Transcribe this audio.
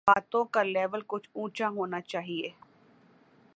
باتوں کا لیول کچھ اونچا ہونا چاہیے۔